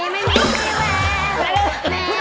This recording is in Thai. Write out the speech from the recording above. ไม่มีความรัก